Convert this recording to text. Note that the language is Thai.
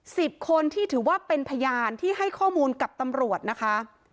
สิบคนที่ถือว่าเป็นพยานที่ให้ข้อมูลกับตำรวจนะคะ